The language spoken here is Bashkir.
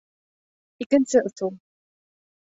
Икенсе ысул.